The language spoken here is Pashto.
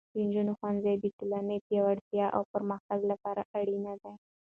د نجونو ښوونځی د ټولنې پیاوړتیا او پرمختګ لپاره اړین دی.